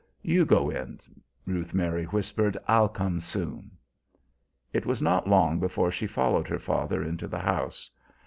"You go in," Ruth Mary whispered. "I'll come soon." It was not long before she followed her father into the house.